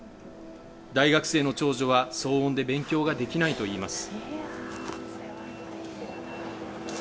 大学生の長女は騒音で勉強ができないといいます。